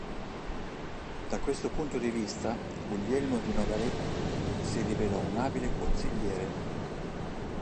Da questo punto di vista, Guglielmo di Nogaret si rivelò un abile "consigliere".